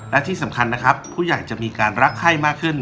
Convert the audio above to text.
และที่สำคัญนะครับผู้ใหญ่จะมีการรักไข้มากขึ้น